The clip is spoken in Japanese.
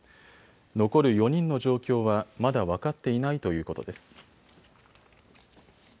残る４人の状況は、まだ分かっていないということです。